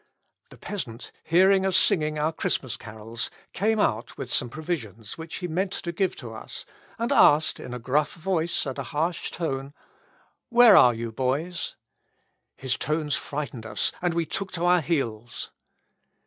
The peasant, hearing us singing our Christmas carols, came out with some provisions which he meant to give us, and asked, in a gruff voice, and a harsh tone, 'Where are you, boys?' His tones frightened us, and we took to our heels.